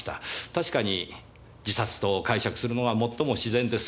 確かに自殺と解釈するのが最も自然です。